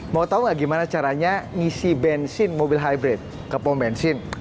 mau tau gak gimana caranya ngisi bensin mobil hybrid ke pom bensin